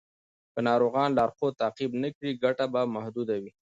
که ناروغان لارښود تعقیب نه کړي، ګټه به محدوده وي.